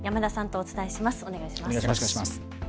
お願いします。